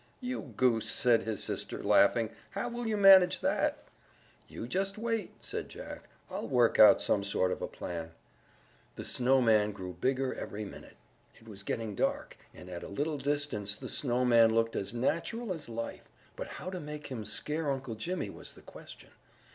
"You goose," said his sister, laughing; "how will you manage that?" "You just wait," said Jack, "I'll work out some sort of a plan." The snowman grew bigger every minute. It was getting dark, and at a little distance the snowman looked as natural as life. But how to make him scare Uncle Jimmy was the question.